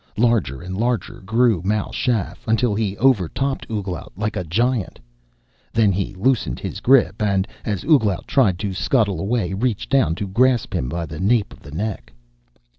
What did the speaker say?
Larger and larger grew Mal Shaff, until he overtopped Ouglat like a giant. Then he loosened his grip and, as Ouglat tried to scuttle away, reached down to grasp him by the nape of his neck.